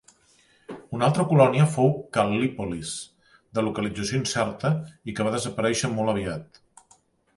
Una altra colònia fou Cal·lípolis, de localització incerta, i que va desaparèixer molt aviat.